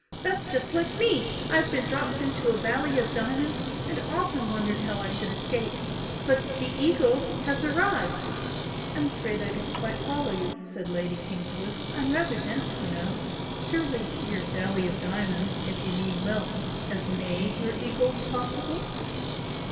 That's just like me! I've been dropped into a Valley of Diamonds and often wondered how I should escape but the Eagle has arrived!" "I'm afraid I don't quite follow you" said Lady Kingswood "I'm rather dense, you know! Surely your Valley of Diamonds if you mean wealth has made your 'Eagle' possible?"